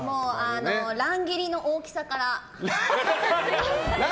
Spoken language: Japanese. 乱切りの大きさから。